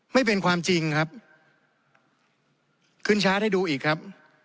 ไม่เป็นความจริงครับขึ้นชาร์จให้ดูอีกครับ